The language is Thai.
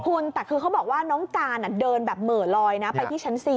คุณแต่คือเขาบอกว่าน้องการเดินแบบเหม่อลอยนะไปที่ชั้น๔